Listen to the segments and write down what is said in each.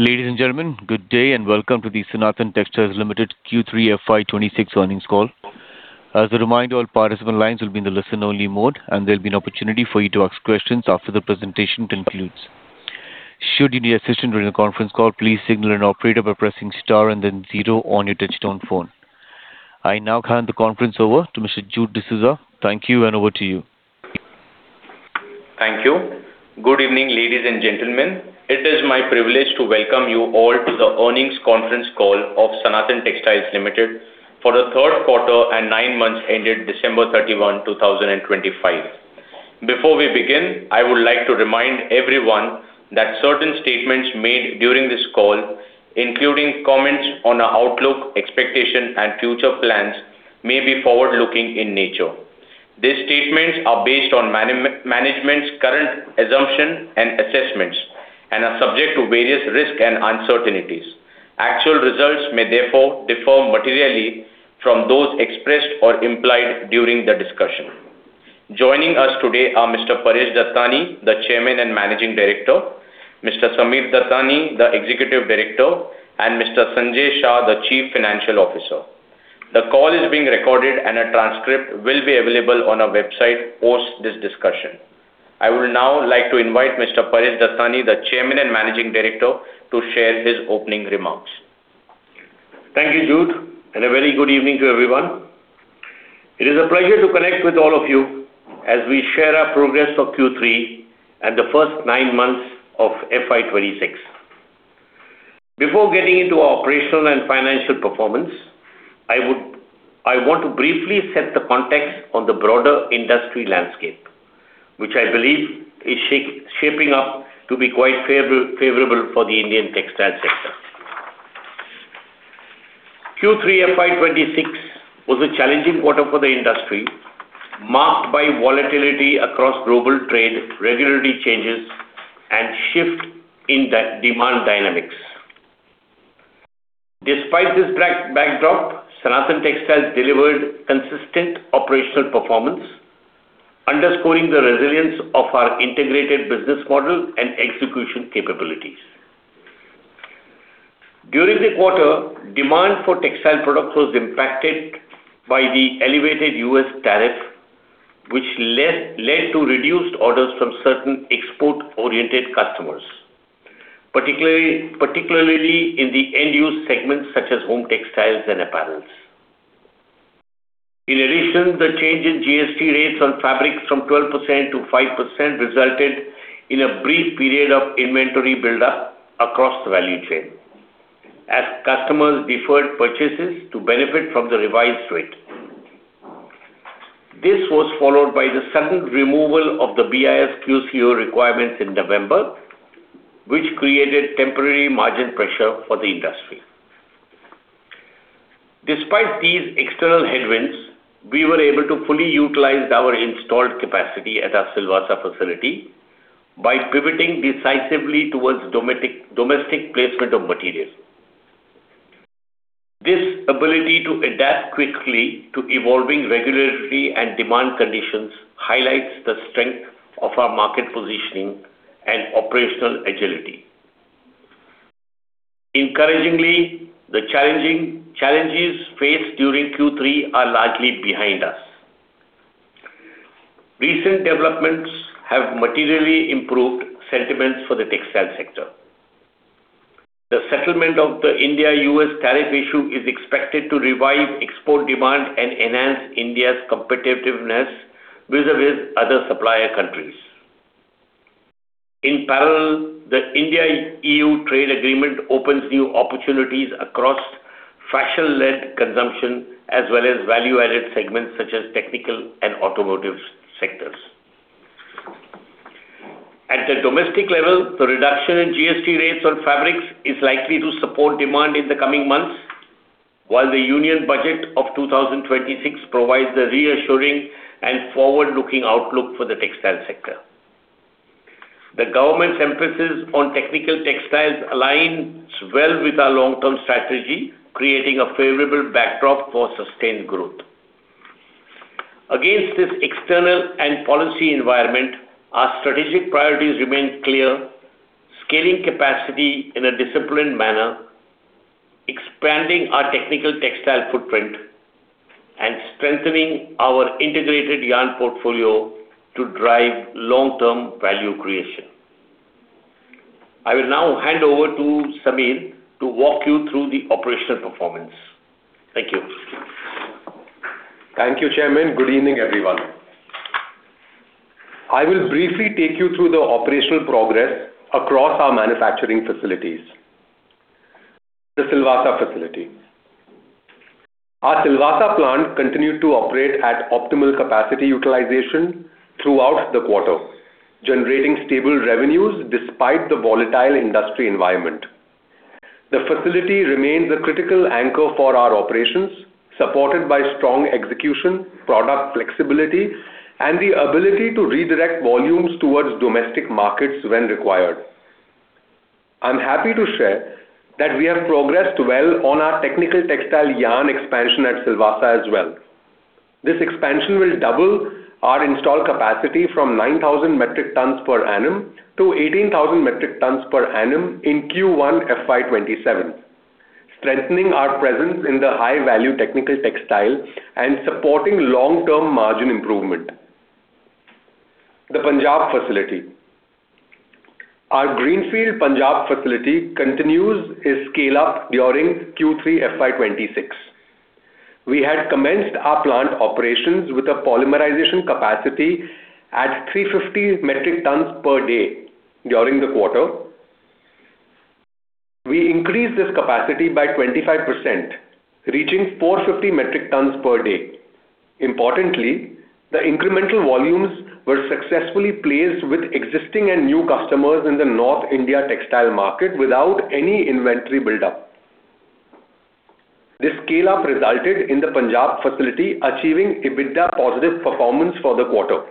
Ladies and gentlemen, good day, and welcome to the Sanathan Textiles Limited Q3 FY 2026 Earnings Call. As a reminder, all participant lines will be in the listen-only mode, and there'll be an opportunity for you to ask questions after the presentation concludes. Should you need assistance during the conference call, please signal an operator by pressing star and then zero on your touchtone phone. I now hand the conference over to Mr. Jude D'Souza. Thank you, and over to you. Thank you. Good evening, ladies and gentlemen. It is my privilege to welcome you all to the earnings conference call of Sanathan Textiles Limited for the third quarter and nine months ended December 31, 2025. Before we begin, I would like to remind everyone that certain statements made during this call, including comments on our outlook, expectations, and future plans, may be forward-looking in nature. These statements are based on management's current assumptions and assessments and are subject to various risks and uncertainties. Actual results may therefore differ materially from those expressed or implied during the discussion. Joining us today are Mr. Paresh Dattani, the Chairman and Managing Director, Mr. Sammir Dattani, the Executive Director, and Mr. Sanjay Shah, the Chief Financial Officer. The call is being recorded, and a transcript will be available on our website post this discussion. I would now like to invite Mr. Paresh Dattani, the Chairman and Managing Director, to share his opening remarks. Thank you, Jude, and a very good evening to everyone. It is a pleasure to connect with all of you as we share our progress for Q3 and the first nine months of FY 2026. Before getting into our operational and financial performance, I want to briefly set the context on the broader industry landscape, which I believe is shaping up to be quite favorable for the Indian textile sector. Q3 FY 2026 was a challenging quarter for the industry, marked by volatility across global trade, regulatory changes, and shift in the demand dynamics. Despite this backdrop, Sanathan Textiles delivered consistent operational performance, underscoring the resilience of our Integrated Business Model and execution capabilities. During the quarter, demand for textile products was impacted by the elevated U.S. tariff, which led to reduced orders from certain export-oriented customers, particularly in the end-use segments, such as home textiles and apparel. In addition, the change in GST rates on fabrics from 12% to 5% resulted in a brief period of inventory buildup across the value chain, as customers deferred purchases to benefit from the revised rate. This was followed by the sudden removal of the BIS QCO requirements in November, which created temporary margin pressure for the industry. Despite these external headwinds, we were able to fully utilize our installed capacity at our Silvassa facility by pivoting decisively towards domestic placement of materials. This ability to adapt quickly to evolving regulatory and demand conditions highlights the strength of our market positioning and operational agility. Encouragingly, the challenging, challenges faced during Q3 are largely behind us. Recent developments have materially improved sentiments for the textile sector. The settlement of the India-U.S. tariff issue is expected to revive export demand and enhance India's competitiveness vis-a-vis other supplier countries. In parallel, the India-E.U. trade agreement opens new opportunities across fashion-led consumption as well as value-added segments, such as technical and automotive sectors. At the domestic level, the reduction in GST rates on fabrics is likely to support demand in the coming months, while the Union Budget of 2026 provides a reassuring and forward-looking outlook for the textile sector. The government's emphasis on Technical Textiles aligns well with our long-term strategy, creating a favorable backdrop for sustained growth. Against this external and policy environment, our strategic priorities remain clear: scaling capacity in a disciplined manner, expanding our Technical Textile footprint, and strengthening our Integrated Yarn portfolio to drive long-term value creation. I will now hand over to Sammir to walk you through the operational performance. Thank you. Thank you, Chairman. Good evening, everyone. I will briefly take you through the operational progress across our manufacturing facilities. The Silvassa facility. Our Silvassa plant continued to operate at optimal capacity utilization throughout the quarter, generating stable revenues despite the volatile industry environment. The facility remains a critical anchor for our operations, supported by strong execution, product flexibility, and the ability to redirect volumes towards domestic markets when required. I'm happy to share that we have progressed well on our Technical Textile Yarn expansion at Silvassa as well. This expansion will double our installed capacity from 9,000 metric tons per annum to 18,000 metric tons per annum in Q1 FY 2027, strengthening our presence in the high-value Technical Textile and supporting long-term margin improvement. The Punjab facility. Our Greenfield Punjab facility continues its scale-up during Q3 FY 2026. We had commenced our plant operations with a polymerization capacity at 350 metric tons per day during the quarter. We increased this capacity by 25%, reaching 450 metric tons per day. Importantly, the incremental volumes were successfully placed with existing and new customers in the North India textile market without any inventory buildup. This scale-up resulted in the Punjab facility achieving EBITDA positive performance for the quarter.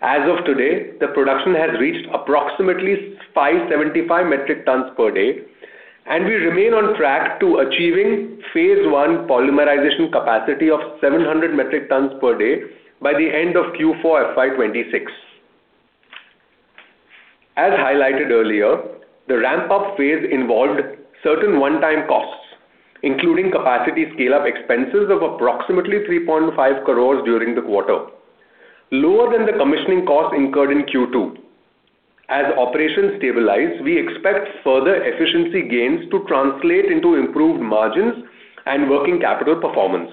As of today, the production has reached approximately 575 metric tons per day, and we remain on track to achieving phase one polymerization capacity of 700 metric tons per day by the end of Q4 FY 2026. As highlighted earlier, the ramp-up phase involved certain one-time costs, including capacity scale-up expenses of approximately 3.5 crores during the quarter, lower than the commissioning costs incurred in Q2. As operations stabilize, we expect further efficiency gains to translate into improved margins and working capital performance.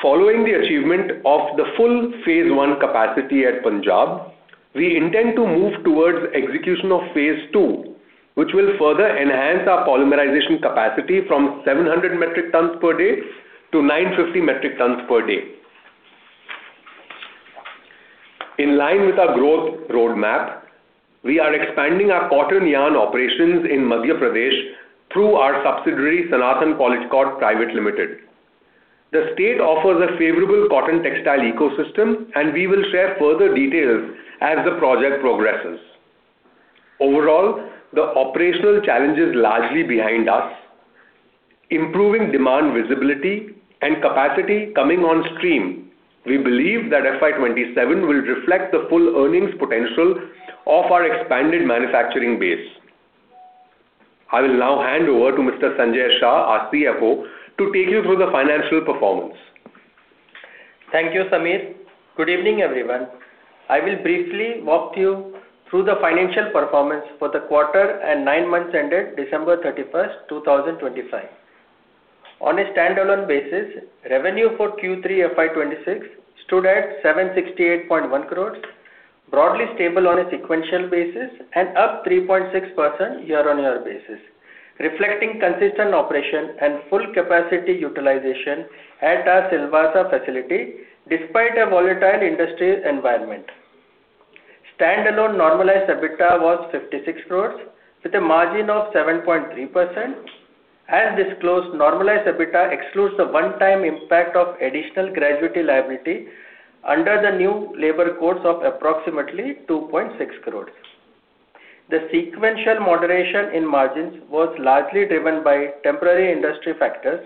Following the achievement of the full phase one capacity at Punjab, we intend to move towards execution of phase II, which will further enhance our polymerization capacity from 700 metric tons per day to 950 metric tons per day. In line with our growth roadmap, we are expanding our cotton yarn operations in Madhya Pradesh through our subsidiary, Sanathan Polycot Private Limited. The state offers a favorable cotton textile ecosystem, and we will share further details as the project progresses. Overall, the operational challenge is largely behind us, improving demand visibility and capacity coming on stream. We believe that FY 2027 will reflect the full earnings potential of our expanded manufacturing base. I will now hand over to Mr. Sanjay Shah, our CFO, to take you through the financial performance. Thank you, Sammir. Good evening, everyone. I will briefly walk you through the financial performance for the quarter and nine months ended December 31, 2025. On a standalone basis, revenue for Q3 FY 2026 stood at 768.1 crores, broadly stable on a sequential basis and up 3.6% year-on-year, reflecting consistent operation and full capacity utilization at our Silvassa facility, despite a volatile industry environment. Standalone normalized EBITDA was 56 crores, with a margin of 7.3%. As disclosed, normalized EBITDA excludes the one-time impact of additional gratuity liability under the new labor codes of approximately 2.6 crores. The sequential moderation in margins was largely driven by temporary industry factors,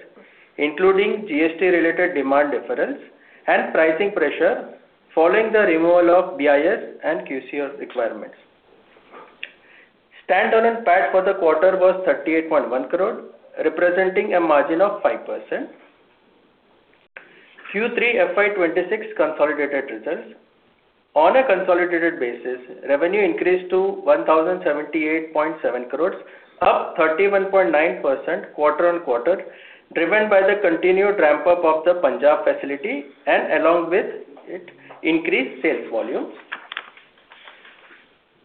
including GST-related demand difference and pricing pressure following the removal of BIS and QCO requirements. Standalone PAT for the quarter was 38.1 crore, representing a margin of 5%. Q3 FY 2026 consolidated results. On a consolidated basis, revenue increased to 1,078.7 crores, up 31.9% quarter-on-quarter, driven by the continued ramp-up of the Punjab facility, and along with it, increased sales volumes.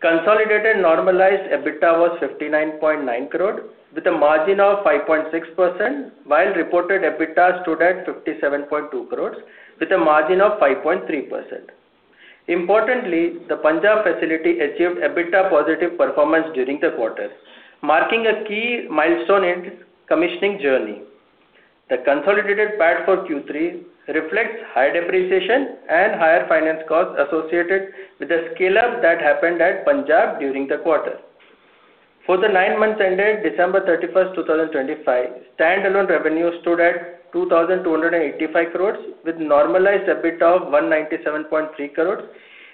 Consolidated normalized EBITDA was 59.9 crore, with a margin of 5.6%, while reported EBITDA stood at 57.2 crores with a margin of 5.3%. Importantly, the Punjab facility achieved EBITDA positive performance during the quarter, marking a key milestone in its commissioning journey. The consolidated PAT for Q3 reflects high depreciation and higher finance costs associated with the scale-up that happened at Punjab during the quarter. For the nine months ended December 31, 2025, standalone revenue stood at 2,285 crore, with normalized EBITDA of 197.3 crore,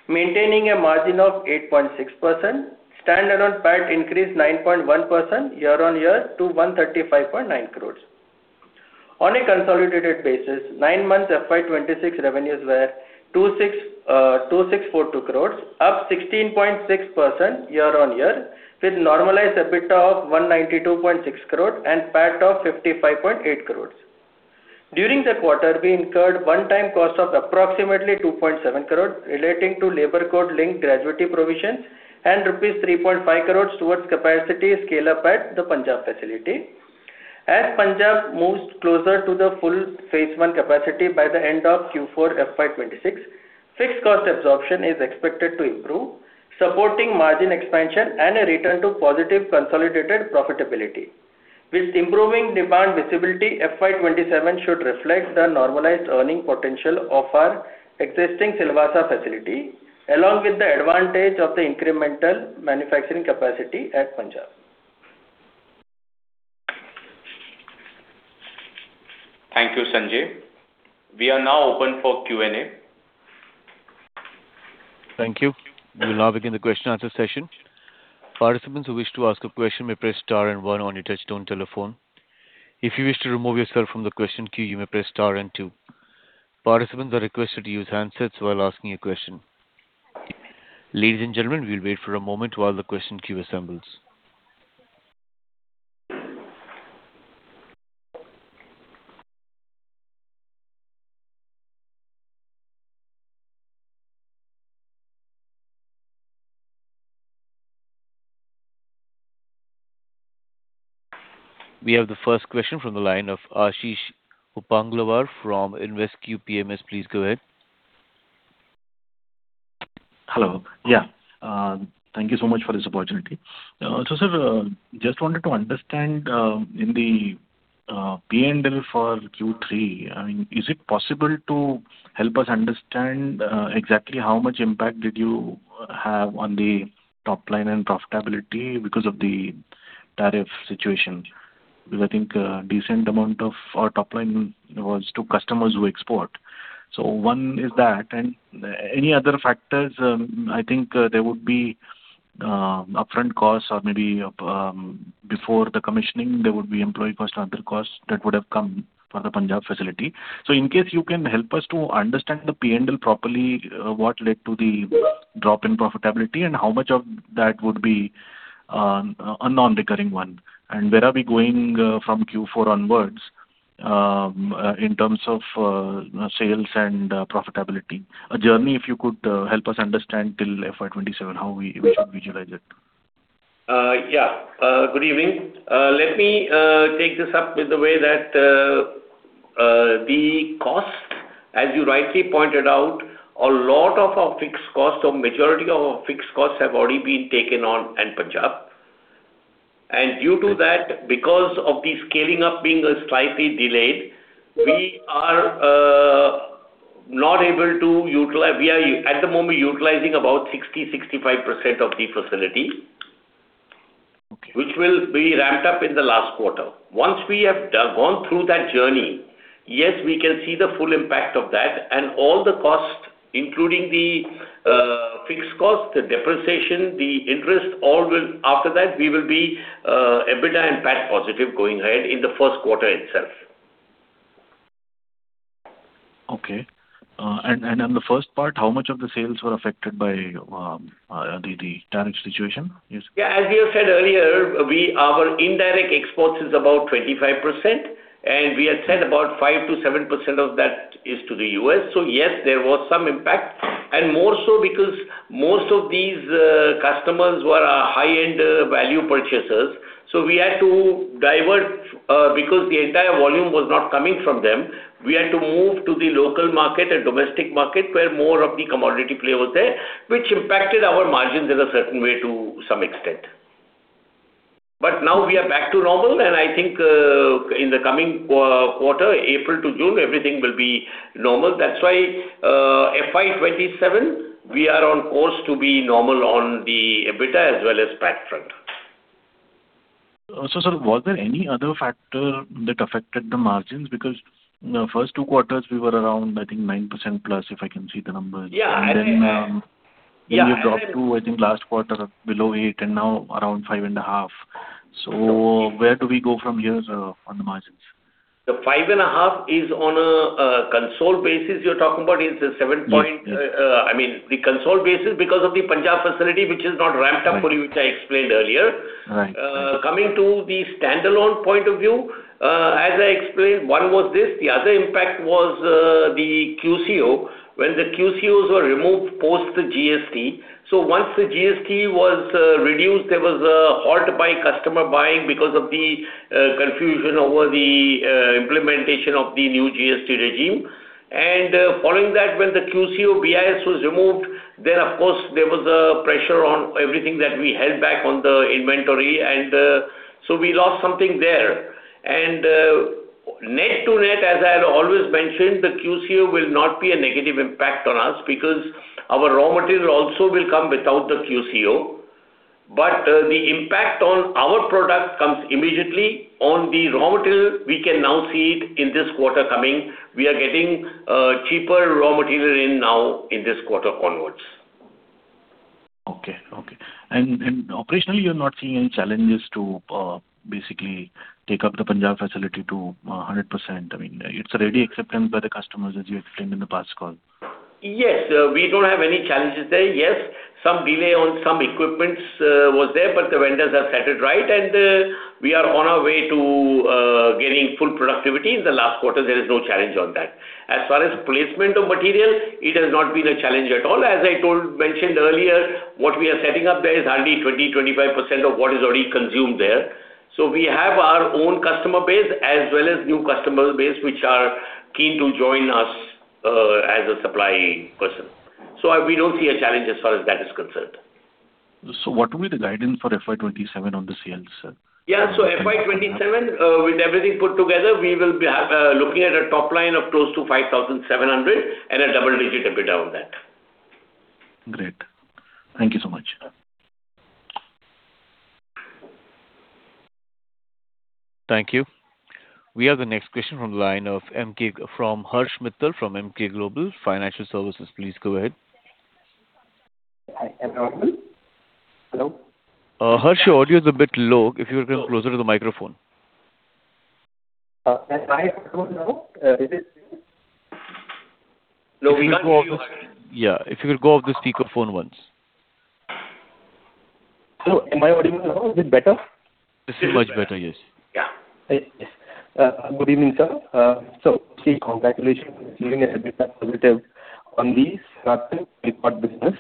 maintaining a margin of 8.6%. Standalone PAT increased 9.1% year-on-year to 135.9 crore. On a consolidated basis, nine months FY 2026 revenues were 2,642 crore, up 16.6% year-on-year, with normalized EBITDA of 192.6 crore and PAT of 55.8 crore. During the quarter, we incurred one-time cost of approximately 2.7 crore relating to labor code-linked gratuity provisions and INR 3.5 crore towards capacity scale-up at the Punjab facility. As Punjab moves closer to the full phase one capacity by the end of Q4 FY 2026, fixed cost absorption is expected to improve, supporting margin expansion and a return to positive consolidated profitability. With improving demand visibility, FY 2027 should reflect the normalized earning potential of our existing Silvassa facility, along with the advantage of the incremental manufacturing capacity at Punjab. Thank you, Sanjay. We are now open for Q&A. Thank you. We will now begin the question answer session. Participants who wish to ask a question, may press star and one on your touchtone telephone. If you wish to remove yourself from the question queue, you may press star and two. Participants are requested to use handsets while asking a question. Ladies and gentlemen, we'll wait for a moment while the question queue assembles. We have the first question from the line of Ashish Upganlawar from InvesQ Investment Advisors. Please go ahead. Hello. Yeah, thank you so much for this opportunity. So sir, just wanted to understand, in the P&L for Q3, I mean, is it possible to help us understand exactly how much impact did you have on the top line and profitability because of the tariff situation? Because I think a decent amount of our top line was to customers who export. So one is that, and any other factors, I think there would be upfront costs or maybe before the commissioning, there would be employee cost and other costs that would have come for the Punjab facility. So in case you can help us to understand the P&L properly, what led to the drop in profitability, and how much of that would be a non-recurring one? Where are we going from Q4 onwards in terms of sales and profitability? A journey, if you could help us understand till FY 2027, how we should visualize it. Yeah. Good evening. Let me take this up with the way that the cost, as you rightly pointed out, a lot of our fixed costs or majority of our fixed costs have already been taken on in Punjab. And due to that, because of the scaling up being slightly delayed, we are not able to utilize, we are at the moment utilizing about 60%-65% of the facility, which will be ramped up in the last quarter. Once we have gone through that journey, yes, we can see the full impact of that and all the costs, including the fixed cost, the depreciation, the interest, all will, after that, we will be EBITDA and PAT positive going ahead in the first quarter itself. Okay. And on the first part, how much of the sales were affected by the tariff situation? Yes. Yeah, as we have said earlier, our indirect exports is about 25%, and we had said about 5%-7% of that is to the U.S. So yes, there was some impact, and more so because most of these customers were high-end value purchasers. So we had to divert because the entire volume was not coming from them. We had to move to the local market and domestic market, where more of the commodity play was there, which impacted our margins in a certain way to some extent. But now we are back to normal, and I think in the coming quarter, April to June, everything will be normal. That's why FY 2027, we are on course to be normal on the EBITDA as well as PAT front. Also, sir, was there any other factor that affected the margins? Because, the first two quarters we were around, I think, 9%+, if I can see the numbers. Yeah, I think, Then we dropped to, I think, last quarter below eight and now around 5.5. So where do we go from here on the margins? The 5.5 is on a console basis. You're talking about is the seven point- Yes. I mean, the consolidated basis, because of the Punjab facility, which is not ramped up fully, which I explained earlier. Right. Coming to the standalone point of view, as I explained, one was this, the other impact was, the QCO. When the QCOs were removed post the GST. So once the GST was reduced, there was a halt by customer buying because of the confusion over the implementation of the new GST regime. And, following that, when the QCO BIS was removed, then of course, there was a pressure on everything that we held back on the inventory, and, so we lost something there. And, net to net, as I have always mentioned, the QCO will not be a negative impact on us, because our raw material also will come without the QCO. But, the impact on our product comes immediately. On the raw material, we can now see it in this quarter coming. We are getting cheaper raw material in now in this quarter onwards. Okay. Okay. Operationally, you're not seeing any challenges to basically take up the Punjab facility to 100%? I mean, it's already acceptance by the customers, as you explained in the past call. Yes. We don't have any challenges there. Yes, some delay on some equipment was there, but the vendors have set it right, and we are on our way to getting full productivity in the last quarter. There is no challenge on that. As far as placement of material, it has not been a challenge at all. As I mentioned earlier, what we are setting up there is hardly 20%-25% of what is already consumed there. So we have our own customer base as well as new customer base, which are keen to join us as a supply person. So we don't see a challenge as far as that is concerned. What will be the guidance for FY 2027 on the sales, sir? Yeah. FY 2027, with everything put together, we will be looking at a top line of close to 5,700 and a double-digit EBITDA on that. Great. Thank you so much. Thank you. We have the next question from the line of Emkay from Harsh Mittal from Emkay Global Financial Services. Please go ahead. Hi, everyone. Hello? Harsh, your audio is a bit low, if you could come closer to the microphone. Am I good now? Is it...? Yeah, if you could go off the speakerphone once. Hello, am I audible now? Is it better? This is much better, yes. Yeah. Good evening, sir. So congratulations on doing a EBITDA positive on the Polycot business.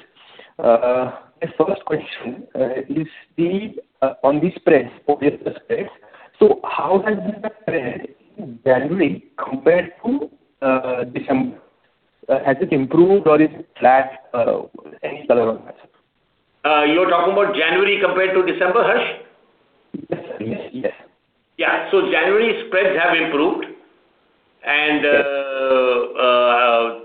My first question is on the spreads, obviously the spreads. So how has been the spread in January compared to December? Has it improved or is it flat, any color on that? You're talking about January compared to December, Harsh? Yes, sir. Yes, yes. Yeah. So January spreads have improved. And,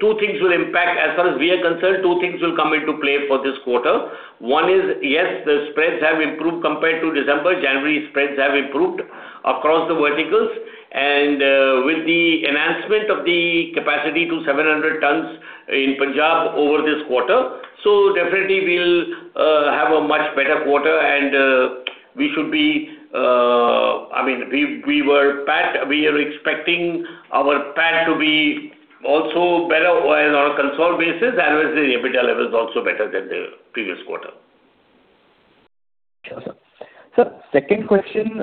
two things will impact. As far as we are concerned, two things will come into play for this quarter. One is, yes, the spreads have improved compared to December. January spreads have improved across the verticals, and, with the enhancement of the capacity to 700 tons in Punjab over this quarter. So definitely we'll have a much better quarter, and, we should be... I mean, we, we were packed. We are expecting our PAT to be also better while on a consolidated basis, and as the EBITDA level is also better than the previous quarter. Sure, sir. Sir, second question,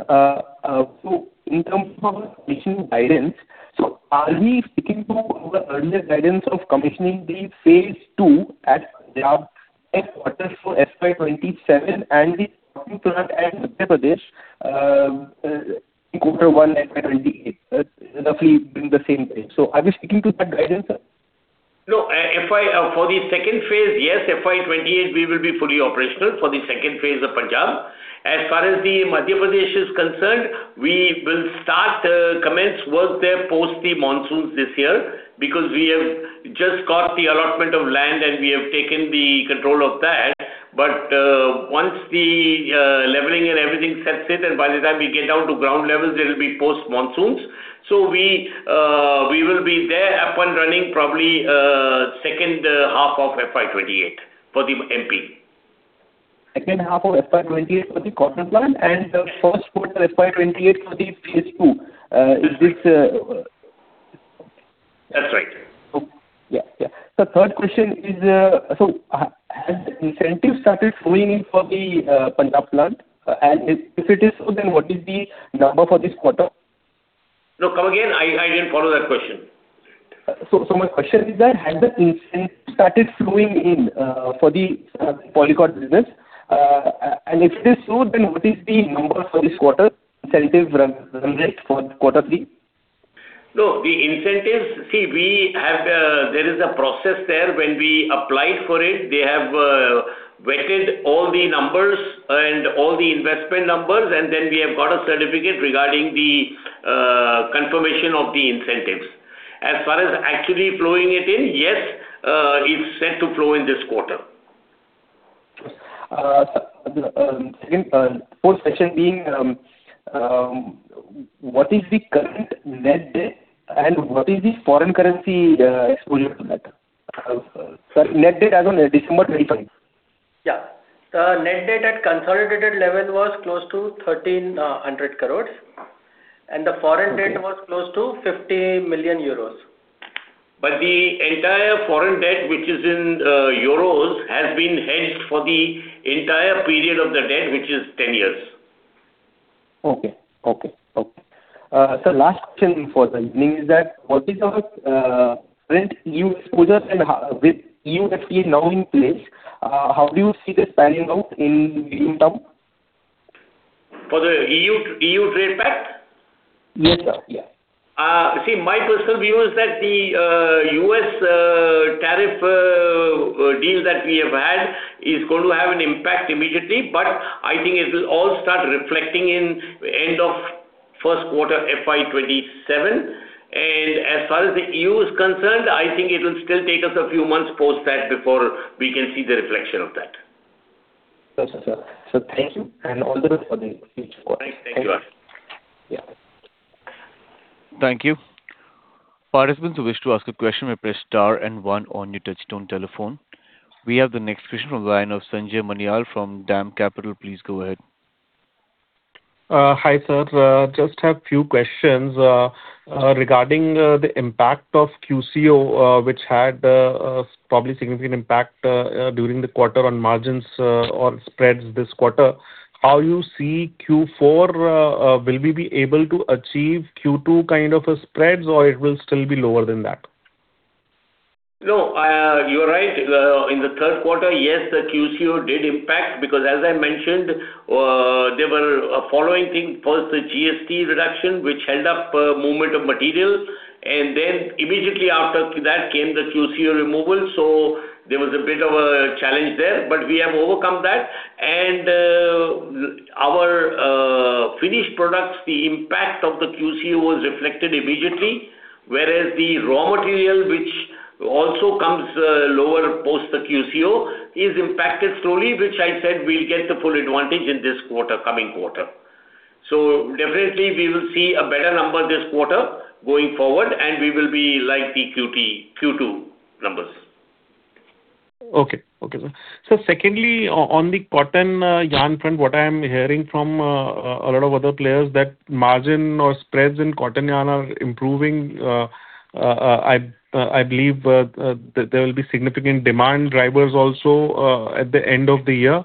so in terms of commissioning guidance, so are we sticking to the earlier guidance of commissioning the phase II at Punjab in quarter four, FY 2027, and the Madhya Pradesh, quarter one, FY 2028? That's roughly in the same page. So are we sticking to that guidance, sir? No, FY, for the second phase, yes, FY 2028, we will be fully operational for the second phase of Punjab. As far as the Madhya Pradesh is concerned, we will start, commence work there post the monsoons this year, because we have just got the allotment of land and we have taken the control of that. But, once the, leveling and everything sets in, and by the time we get down to ground levels, it'll be post monsoons. So we, we will be there up and running probably, second half of FY 2028 for the MP. Second half of FY 2028 for the Cotton plant and the first quarter FY 2028 for the phase II, is this, That's right. Yeah. Yeah. The third question is, so has the incentive started flowing in for the Punjab plant? And if it is so, then what is the number for this quarter? No, come again, I didn't follow that question. So, my question is, has the incentive started flowing in for the Polycot business? And if it is so, then what is the number for this quarter, incentive run rate for quarter three? No, the incentives, see, there is a process there. When we applied for it, they have vetted all the numbers and all the investment numbers, and then we have got a certificate regarding the confirmation of the incentives. As far as actually flowing it in, yes, it's set to flow in this quarter. Sir, fourth question being, what is the current net debt, and what is the foreign currency exposure to that? Sir, net debt as on December 25. Yeah. The net debt at consolidated level was close to 1,300 crores, and the foreign debt- Okay. Was close to 50 million euros. But the entire foreign debt, which is in euros, has been hedged for the entire period of the debt, which is 10 years. Okay. Okay, okay. Sir, last question for the evening is that, what is our current E.U. exposure, and with E.U. FTA now in place, how do you see this panning out in medium term? For the E.U., E.U. trade pact? Yes, sir. Yeah. See, my personal view is that the U.S. tariff deal that we have had is going to have an impact immediately, but I think it will all start reflecting in end of first quarter, FY 2027. And as far as the E.U. is concerned, I think it will still take us a few months post that before we can see the reflection of that. Understood, sir. So thank you, and all the best for the future. Thank you, Harsh. Yeah. Thank you. Participants who wish to ask a question, may press star and one on your touchtone telephone. We have the next question from the line of Sanjay Manyal from DAM Capital. Please go ahead. Hi, sir. Just have few questions regarding the impact of QCO, which had probably significant impact during the quarter on margins or spreads this quarter. How you see Q4, will we be able to achieve Q2 kind of a spreads, or it will still be lower than that? No, you are right. In the third quarter, yes, the QCO did impact because as I mentioned, there were a following thing. First, the GST reduction, which held up movement of materials, and then immediately after that came the QCO removal. So there was a bit of a challenge there, but we have overcome that, and products, the impact of the QCO was reflected immediately, whereas the raw material, which also comes lower post the QCO, is impacted slowly, which I said we'll get the full advantage in this quarter, coming quarter. So definitely, we will see a better number this quarter going forward, and we will be like the Q2 numbers. Okay. Okay, sir. So secondly, on the cotton yarn front, what I am hearing from a lot of other players, that margin or spreads in cotton yarn are improving. I believe that there will be significant demand drivers also at the end of the year.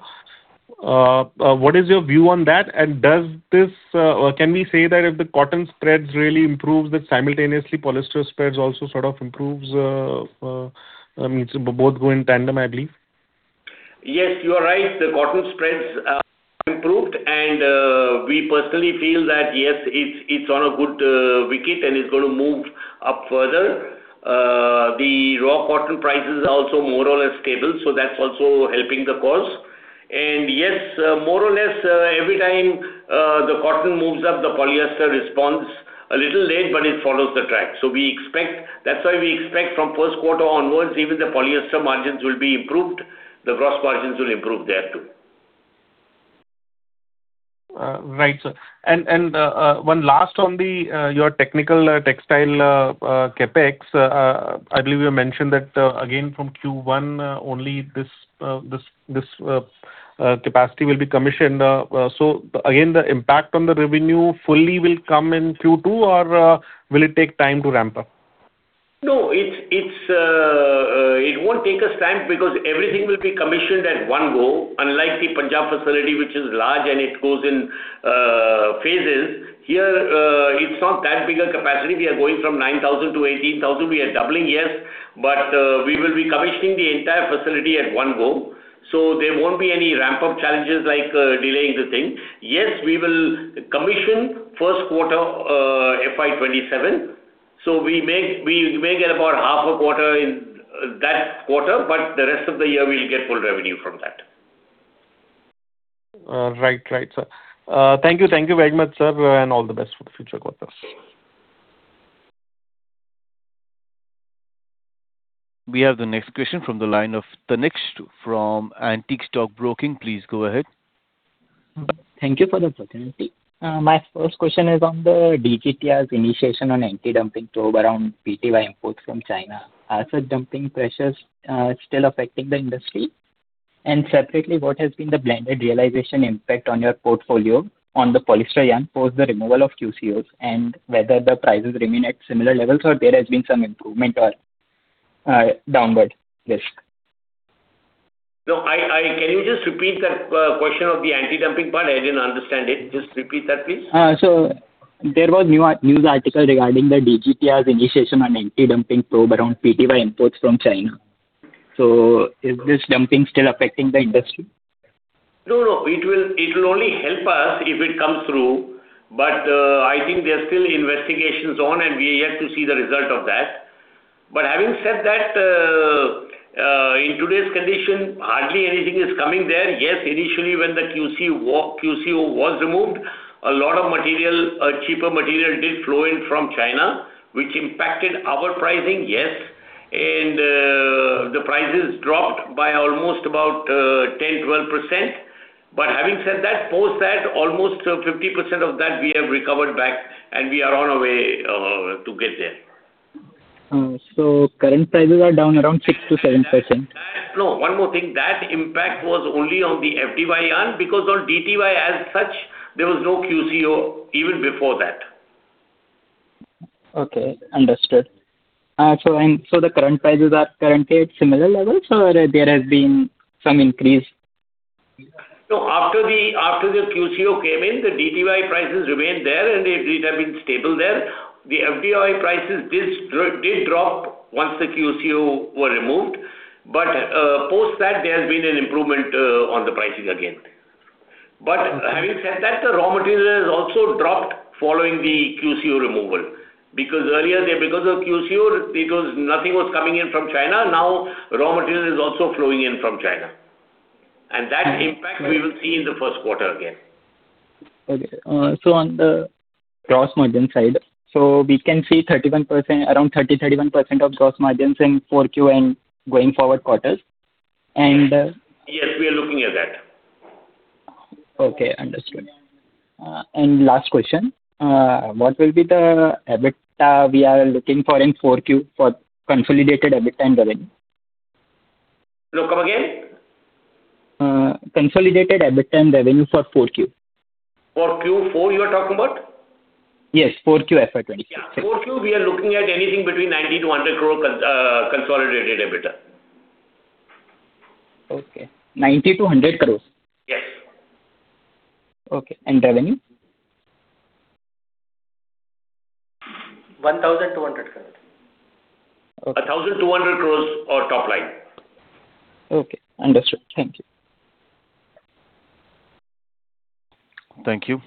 What is your view on that? And does this, or can we say that if the cotton spreads really improves, then simultaneously polyester spreads also sort of improves, I mean, so both go in tandem, I believe? Yes, you are right. The cotton spreads improved, and we personally feel that, yes, it's on a good wicket, and it's going to move up further. The raw cotton prices are also more or less stable, so that's also helping the cause. And yes, more or less, every time the cotton moves up, the polyester responds a little late, but it follows the track. So we expect... That's why we expect from first quarter onwards, even the polyester margins will be improved. The gross margins will improve there, too. Right, sir. And one last on your Technical Textile CapEx. I believe you mentioned that again, from Q1 only this capacity will be commissioned. So again, the impact on the revenue fully will come in Q2, or will it take time to ramp up? No, it's, it's, it won't take us time because everything will be commissioned at one go. Unlike the Punjab facility, which is large and it goes in, phases, here, it's not that big a capacity. We are going from 9,000 to 18,000. We are doubling, yes, but, we will be commissioning the entire facility at one go. So there won't be any ramp-up challenges like, delaying the thing. Yes, we will commission first quarter, FY 2027, so we may, we may get about half a quarter in that quarter, but the rest of the year we'll get full revenue from that. Right. Right, sir. Thank you. Thank you very much, sir, and all the best for the future quarters. We have the next question from the line of Tanishk from Antique Stock Broking. Please go ahead. Thank you for the opportunity. My first question is on the DGTR's initiation on anti-dumping probe around POY imports from China. Are the dumping pressures still affecting the industry? And separately, what has been the blended realization impact on your portfolio, on the polyester yarn post the removal of QCOs, and whether the prices remain at similar levels or there has been some improvement or downward risk? No, I... Can you just repeat that question of the antidumping part? I didn't understand it. Just repeat that, please. So there was new news article regarding the DGTR's initiation on anti-dumping probe around POY imports from China. Is this dumping still affecting the industry? No, no, it will, it will only help us if it comes through, but, I think there are still investigations on, and we're yet to see the result of that. But having said that, in today's condition, hardly anything is coming there. Yes, initially, when the QCO was removed, a lot of material, cheaper material did flow in from China, which impacted our pricing, yes, and, the prices dropped by almost about, 10%-12%. But having said that, post that, almost 50% of that we have recovered back, and we are on our way, to get there. Current prices are down around 6%-7%? No, one more thing. That impact was only on the FDY yarn, because on DTY as such, there was no QCO even before that. Okay, understood. So the current prices are currently at similar levels, or there has been some increase? No, after the QCO came in, the DTY prices remained there, and it has been stable there. The FDY prices did drop once the QCO were removed, but post that, there has been an improvement on the pricing again. But having said that, the raw material has also dropped following the QCO removal. Because earlier, because of QCO, nothing was coming in from China. Now, raw material is also flowing in from China. Uh- That impact we will see in the first quarter again. Okay. So on the gross margin side, so we can see 31%, around 30%, 31% of gross margins in Q4 and going forward quarters. And, Yes, we are looking at that. Okay, understood. And last question. What will be the EBITDA we are looking for in 4Q for consolidated EBITDA and revenue? Sorry, come again? Consolidated EBITDA and revenue for Q4. For Q4, you are talking about? Yes, Q4, FY 2026. Yeah, Q4, we are looking at anything between 90 crore-100 crore consolidated EBITDA. Okay, 90 crore-100 crore? Yes. Okay, and revenue? 1,200 crore. 1,200 crore our top line. Okay, understood. Thank you. Thank you.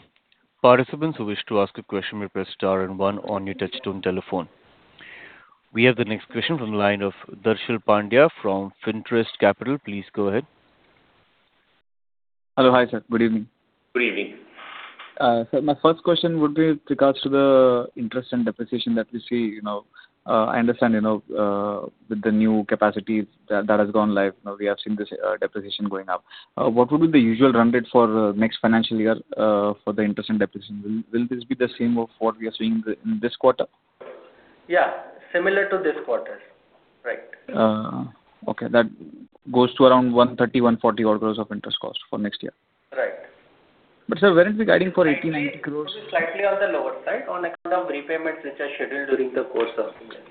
Participants who wish to ask a question, may press star and one on your touchtone telephone.... We have the next question from the line of Darshan Pandya from Fintrust Capital. Please go ahead. Hello. Hi, sir. Good evening. Good evening. So my first question would be with regards to the interest and depreciation that we see, you know, I understand, you know, with the new capacities that has gone live, now we have seen this depreciation going up. What would be the usual run rate for next financial year for the interest and depreciation? Will this be the same of what we are seeing in this quarter? Yeah, similar to this quarter. Right. Okay. That goes to around 130 crores-140 crores of interest costs for next year. Right. Sir, where is the guidance for 80 crore-90 crore? Slightly on the lower side on account of repayments, which are scheduled during the course of the year.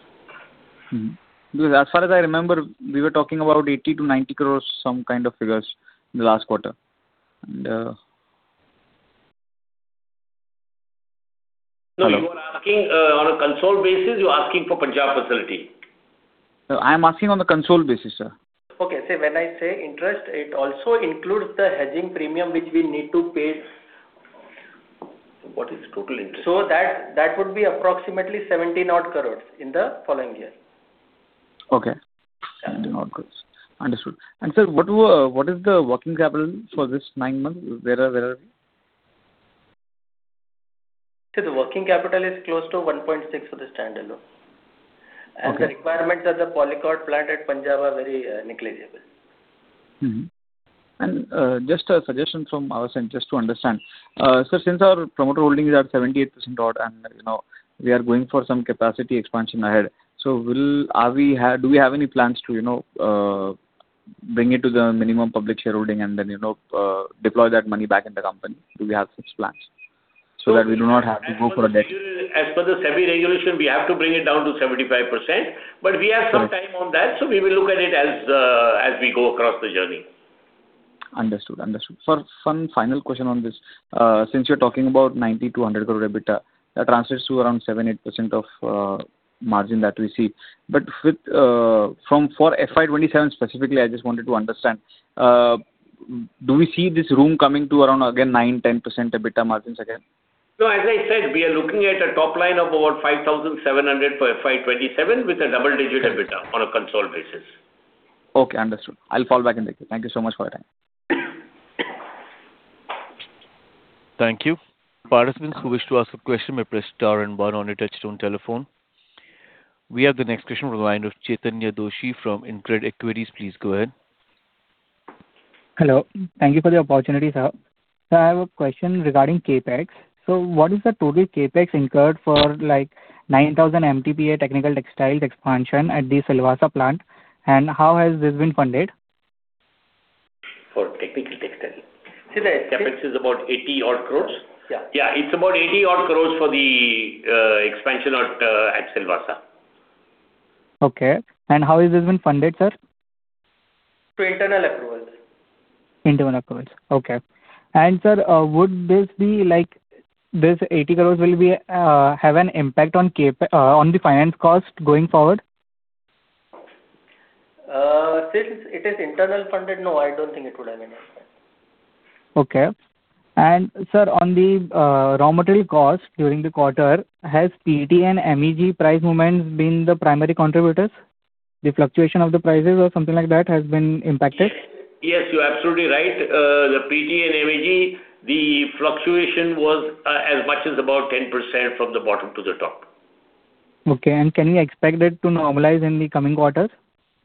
Mm-hmm. Because as far as I remember, we were talking about 80 crore-90 crore, some kind of figures in the last quarter. And. No, you are asking, on a console basis, you're asking for Punjab facility? No, I'm asking on the consol basis, sir. Okay. When I say interest, it also includes the hedging premium, which we need to pay. What is total interest? That would be approximately 70-odd crore in the following year. Okay. 70-odd crore. Understood. Sir, what is the working capital for this nine months? Where are we? The working capital is close to 1.6 for the standalone. Okay. The requirements of the Polycot plant at Punjab are very negligible. Mm-hmm. And just a suggestion from our end, just to understand. So since our promoter holdings are 78% odd, and you know, we are going for some capacity expansion ahead, so do we have any plans to, you know, bring it to the minimum public shareholding and then, you know, deploy that money back in the company? Do we have such plans, so that we do not have to go for a debt? As for the semi-regulation, we have to bring it down to 75%, but we have some time on that, so we will look at it as, as we go across the journey. Understood. Understood. For one final question on this, since you're talking about 90 crore-100 crore EBITDA, that translates to around 7%-8% of margin that we see. But with, from, for FY 2027 specifically, I just wanted to understand, do we see this room coming to around again, 9%-10% EBITDA margins again? No, as I said, we are looking at a top line of over 5,700 for FY 2027 with a double-digit EBITDA on a consolidated basis. Okay, understood. I'll fall back and thank you. Thank you so much for your time. Thank you. Participants who wish to ask a question may press star and one on your touchtone telephone. We have the next question from the line of Chaitya Doshi from InCred Equities. Please go ahead. Hello. Thank you for the opportunity, sir. Sir, I have a question regarding CapEx. So what is the total CapEx incurred for, like, 9,000 MTPA Technical Textiles expansion at the Silvassa plant, and how has this been funded? For Technical Textile. CapEx is about 80 odd crores. Yeah. Yeah, it's about 80 odd crore for the expansion at Silvassa. Okay. And how has this been funded, sir? Through internal approvals. Internal approvals. Okay. Sir, would this be like, this 80 crore will be have an impact on CapEx, on the finance cost going forward? Since it is internally funded, no, I don't think it would have an impact. Okay. And sir, on the raw material cost during the quarter, has PET and MEG price movements been the primary contributors? The fluctuation of the prices or something like that has been impacted. Yes, you're absolutely right. The PET and MEG, the fluctuation was as much as about 10% from the bottom to the top. Okay. And can we expect that to normalize in the coming quarters?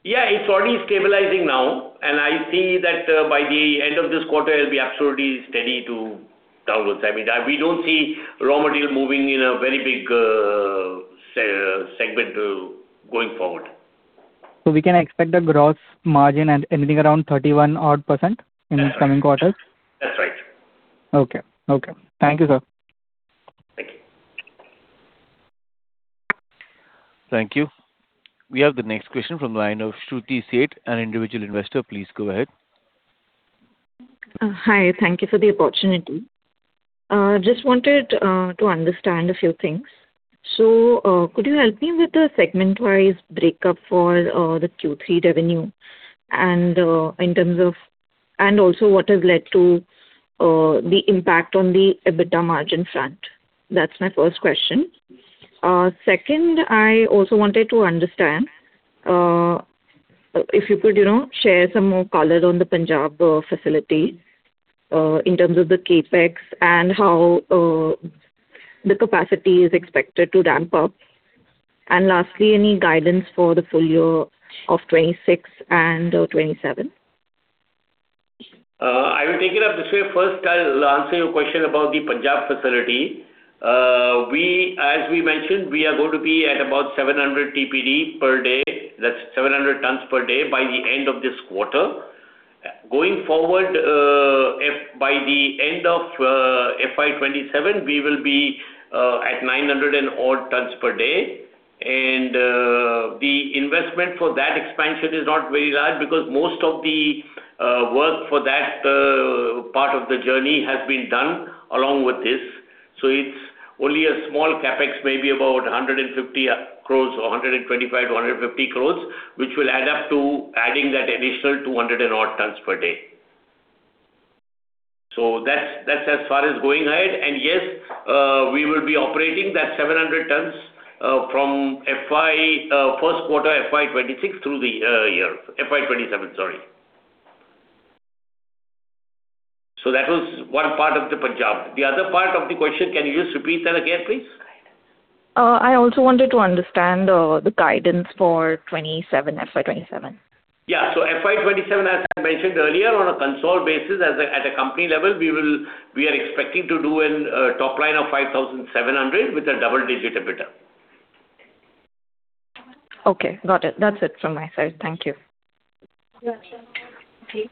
Yeah, it's already stabilizing now, and I see that by the end of this quarter, it'll be absolutely steady to downwards. I mean, we don't see raw material moving in a very big segment going forward. We can expect the gross margin at anything around 31 odd % in the coming quarters? That's right. Okay. Okay. Thank you, sir. Thank you. Thank you. We have the next question from the line of Shruti Seth, an individual investor. Please go ahead. Hi, thank you for the opportunity. Just wanted to understand a few things. So, could you help me with the segment-wise breakup for the Q3 revenue and in terms of... And also what has led to the impact on the EBITDA margin front? That's my first question. Second, I also wanted to understand if you could, you know, share some more color on the Punjab facility in terms of the CapEx and how the capacity is expected to ramp up. And lastly, any guidance for the full year of 2026 and 2027? I will take it up this way. First, I'll answer your question about the Punjab facility. As we mentioned, we are going to be at about 700 TPD per day, that's 700 tons per day, by the end of this quarter. Going forward, if by the end of FY 2027, we will be at 900 and odd tons per day. And the investment for that expansion is not very large because most of the work for that part of the journey has been done along with this. So it's only a small CapEx, maybe about 150 crores or 125 crores-150 crores, which will add up to adding that additional 200 and odd tons per day. So that's as far as going ahead. And yes, we will be operating that 700 tons from FY first quarter FY 2026 through the year. FY 2027, sorry. So that was one part of the Punjab. The other part of the question, can you just repeat that again, please? I also wanted to understand the guidance for 2027, FY 2027? Yeah. So FY 2027, as I mentioned earlier, on a consolidated basis, at a company level, we are expecting to do a top line of 5,700 with a double-digit EBITDA. Okay, got it. That's it from my side. Thank you. You're welcome.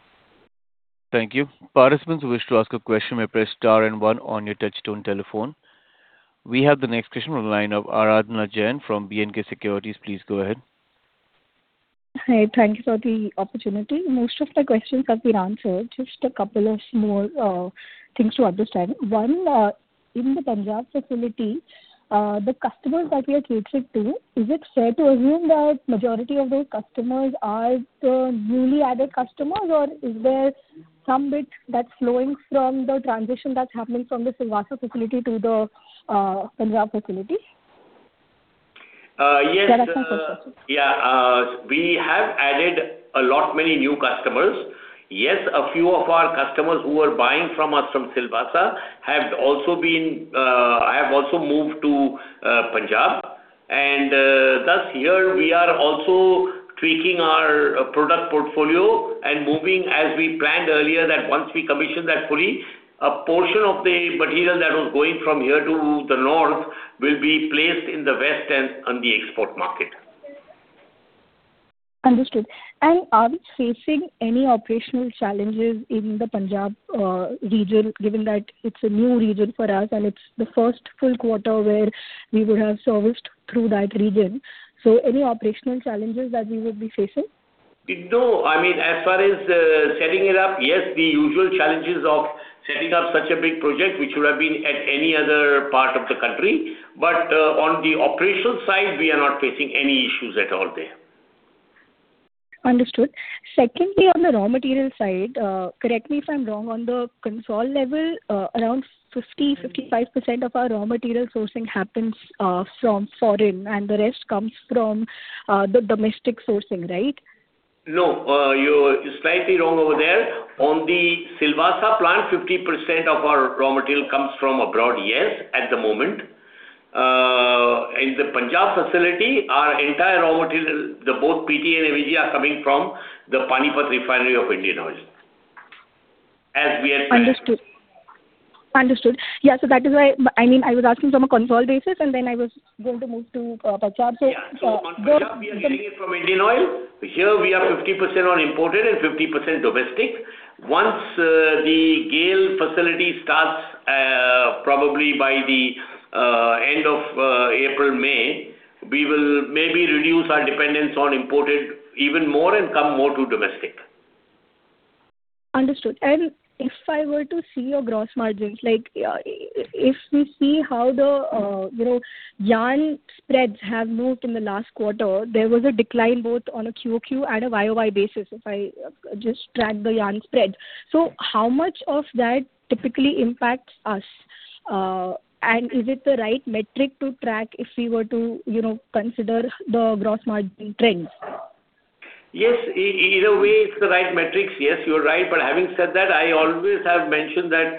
Thank you. Participants who wish to ask a question may press star and one on your touch-tone telephone. We have the next question on the line of Aradhana Jain from B&K Securities. Please go ahead. Hi, thank you for the opportunity. Most of the questions have been answered. Just a couple of more things to understand. One, in the Punjab facility, the customers that we are catering to, is it fair to assume that majority of those customers are the newly added customers, or is there some bit that's flowing from the transition that's happening from the Silvassa facility to the Punjab facility? Uh, yes. There are some customers. Yeah, we have added a lot, many new customers. Yes, a few of our customers who were buying from us from Silvassa have also been, have also moved to, Punjab. And, thus, here we are also tweaking our product portfolio and moving as we planned earlier, that once we commission that fully, a portion of the material that was going from here to the north will be placed in the west and on the export market. Understood. Are we facing any operational challenges in the Punjab region, given that it's a new region for us, and it's the first full quarter where we would have serviced through that region? Any operational challenges that we would be facing? No. I mean, as far as setting it up, yes, the usual challenges of setting up such a big project, which would have been at any other part of the country, but on the operational side, we are not facing any issues at all there. Understood. Secondly, on the raw material side, correct me if I'm wrong, on the console level, around 50%-55% of our raw material sourcing happens from foreign, and the rest comes from the domestic sourcing, right? No, you're slightly wrong over there. On the Silvassa plant, 50% of our raw material comes from abroad. Yes, at the moment. In the Punjab facility, our entire raw material, both PET and MEG are coming from the Panipat Refinery of Indian Oil. As we have- Understood. Understood. Yeah, so that is why. I mean, I was asking from a console basis, and then I was going to move to Punjab. So- Yeah, so on Punjab, we are getting it from Indian Oil. Here, we are 50% on imported and 50% domestic. Once the GAIL facility starts, probably by the end of April, May, we will maybe reduce our dependence on imported even more and come more to domestic. Understood. And if I were to see your gross margins, like, if we see how the, you know, yarn spreads have moved in the last quarter, there was a decline both on a QoQ and a YoY basis, if I just track the yarn spread. So how much of that typically impacts us? And is it the right metric to track if we were to, you know, consider the gross margin trends? Yes, in a way, it's the right metrics. Yes, you're right. But having said that, I always have mentioned that,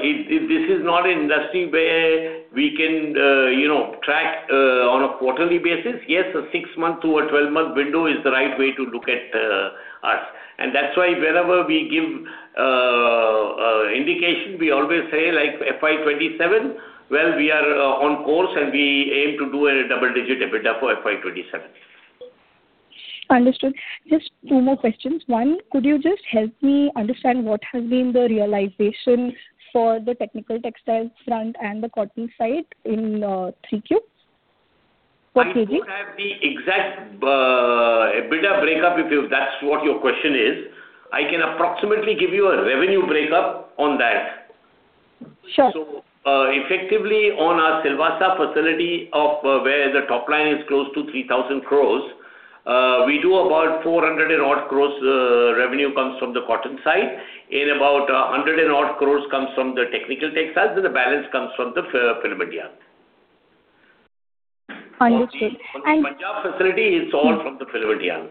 this is not an industry where we can, you know, track, on a quarterly basis. Yes, a 6-month to a 12-month window is the right way to look at, us. And that's why wherever we give, indication, we always say, like FY 2027, well, we are, on course, and we aim to do a double-digit EBITDA for FY 2027. Understood. Just two more questions. One, could you just help me understand what has been the realization for the Technical Textiles front and the cotton side in Q3? What would be- I don't have the exact, EBITDA breakup, if that's what your question is. I can approximately give you a revenue breakup on that. Sure. Effectively, on our Silvassa facility of where the top line is close to 3,000 crores, we do about 400 and odd crores revenue comes from the cotton side, and about 100 and odd crores comes from the Technical Textiles, and the balance comes from the filament yarn. Understood. And- Punjab facility is all from the filament yarn.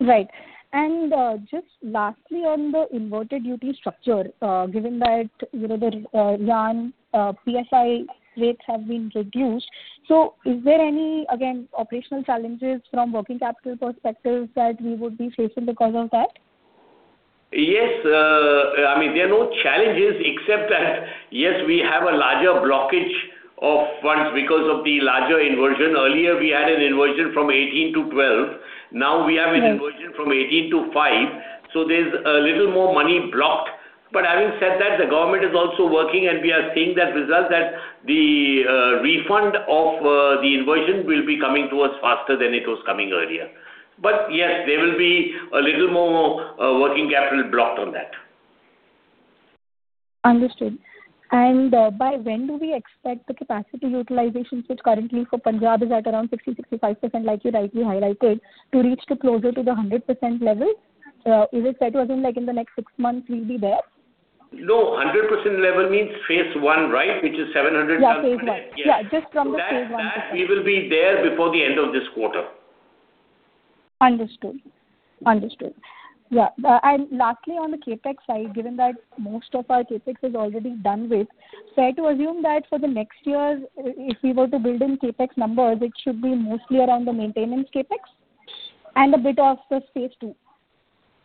Right. And, just lastly, on the inverted duty structure, given that, you know, the yarn PSF rates have been reduced, so is there any, again, operational challenges from working capital perspectives that we would be facing because of that? Yes, I mean, there are no challenges except that, yes, we have a larger blockage of funds because of the larger inversion. Earlier, we had an inversion from 18 to 12. Now we have an inversion- Yes... from 18 to 5, so there's a little more money blocked. But having said that, the government is also working, and we are seeing that result that the refund of the inversion will be coming to us faster than it was coming earlier. But yes, there will be a little more working capital blocked on that. ...Understood. By when do we expect the capacity utilization, which currently for Punjab is at around 60-65%, like you rightly highlighted, to reach to closer to the 100% level? Is it fair to assume, like in the next six months we'll be there? No, 100% level means phase one, right? Which is 700 tons. Yeah, Phase One. Yeah, just from the Phase One. That, we will be there before the end of this quarter. Understood. Understood. Yeah, and lastly, on the CapEx side, given that most of our CapEx is already done with, fair to assume that for the next year, if we were to build in CapEx numbers, it should be mostly around the maintenance CapEx and a bit of the phase II?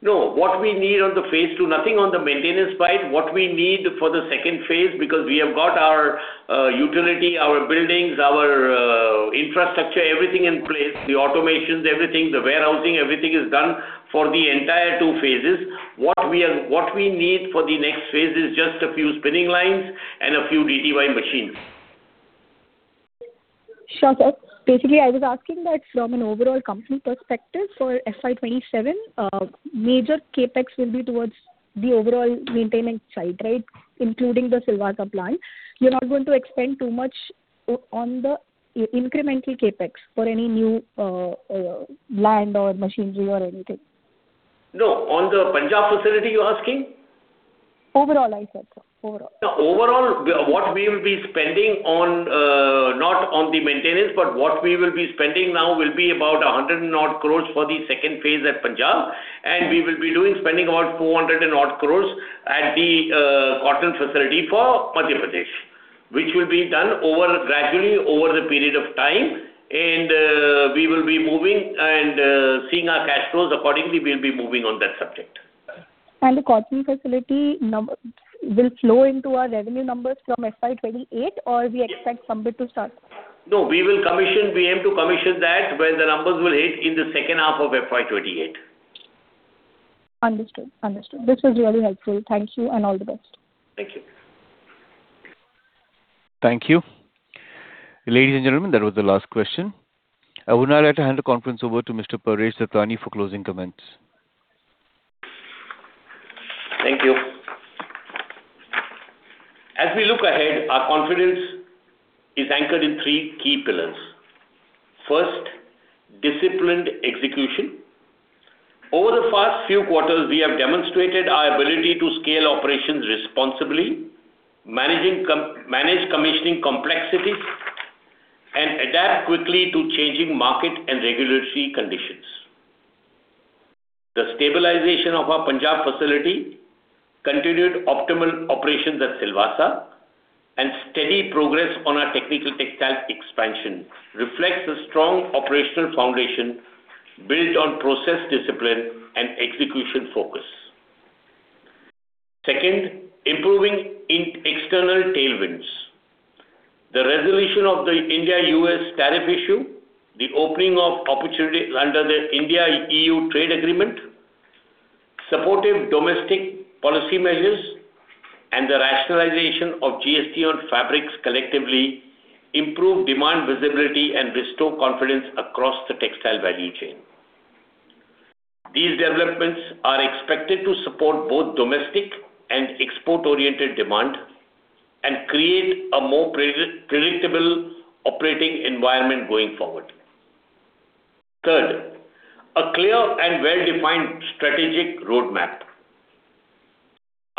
No, what we need on the phase II, nothing on the maintenance side. What we need for the second phase, because we have got our utility, our buildings, our infrastructure, everything in place, the automations, everything, the warehousing, everything is done for the entire two phases. What we need for the next phase is just a few spinning lines and a few DTY machines. Sure, sir. Basically, I was asking that from an overall company perspective, for FY 27, major CapEx will be towards the overall maintenance side, right? Including the Silvassa plant. You're not going to expand too much on the incremental CapEx for any new, land or machinery or anything. No, on the Punjab facility, you're asking? Overall, I said, sir. Overall. Now, overall, what we will be spending on, not on the maintenance, but what we will be spending now will be about 100-odd crores for the second phase at Punjab, and we will be doing spending about 400-odd crores at the cotton facility for Madhya Pradesh. Which will be done over gradually, over the period of time, and we will be moving and seeing our cash flows. Accordingly, we'll be moving on that subject. The cotton facility will flow into our revenue numbers from FY 2028, or we expect sometime to start? No, we will commission, we aim to commission that when the numbers will hit in the second half of FY 2028. Understood. Understood. This was really helpful. Thank you and all the best. Thank you. Thank you. Ladies and gentlemen, that was the last question. I would now like to hand the conference over to Mr. Paresh Dattani for closing comments. Thank you. As we look ahead, our confidence is anchored in three key pillars. First, disciplined execution. Over the past few quarters, we have demonstrated our ability to scale operations responsibly, managing manage commissioning complexities, and adapt quickly to changing market and regulatory conditions. The stabilization of our Punjab facility, continued optimal operations at Silvassa, and steady progress on our Technical Textile expansion, reflects the strong operational foundation built on process discipline and execution focus. Second, improving in external tailwinds. The resolution of the India-U.S. tariff issue, the opening of opportunity under the India-E.U. Trade Agreement, supportive domestic policy measures, and the rationalization of GST on fabrics, collectively improve demand visibility and restore confidence across the textile value chain. These developments are expected to support both domestic and export-oriented demand and create a more predictable operating environment going forward. Third, a clear and well-defined strategic roadmap.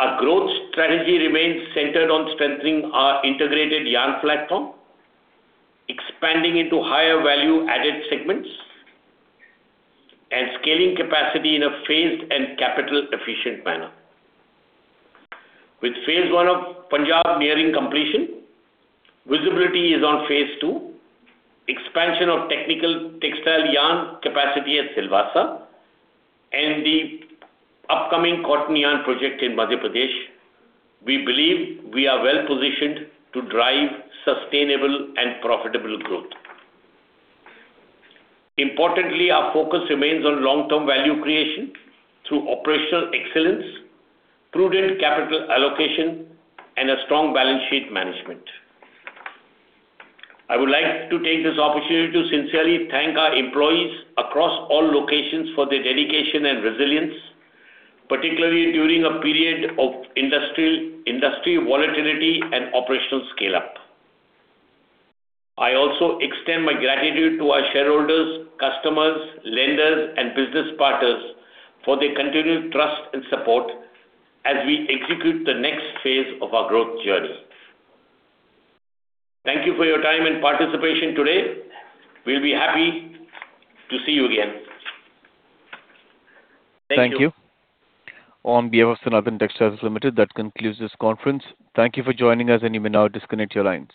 Our growth strategy remains centered on strengthening our integrated yarn platform, expanding into higher value-added segments, and scaling capacity in a phased and capital-efficient manner. With phase one of Punjab nearing completion, visibility is on phase II, expansion of Technical Textile Yarn capacity at Silvassa, and the upcoming cotton yarn project in Madhya Pradesh. We believe we are well positioned to drive sustainable and profitable growth. Importantly, our focus remains on long-term value creation through operational excellence, prudent capital allocation, and a strong balance sheet management. I would like to take this opportunity to sincerely thank our employees across all locations for their dedication and resilience, particularly during a period of industry volatility and operational scale-up. I also extend my gratitude to our shareholders, customers, lenders, and business partners for their continued trust and support as we execute the next phase of our growth journey. Thank you for your time and participation today. We'll be happy to see you again. Thank you. Thank you. On behalf of Sanathan Textiles Limited, that concludes this conference. Thank you for joining us, and you may now disconnect your lines.